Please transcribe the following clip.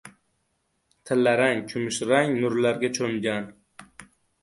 Tillarang, kumushrang nurlarga choʻmgan.